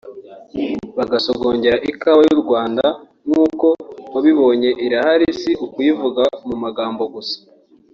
bagasogongera ikawa y’u Rwanda nk’uko wabibonye irahari si ukubivuga mu magambo gusa